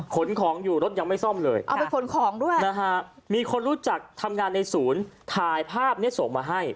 ขนของอยู่รถยังไม่ซ่อมเลยเอาไปขนของด้วยนะฮะมีคนรู้จักทำงานในศูนย์ถ่ายภาพนี้ส่งมาให้